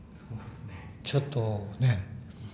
ちょっとね